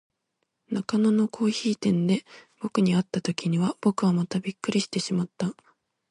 中野のコオヒイ店で、ぼくに会った時には、ぼくはまったくびっくりしてしまった。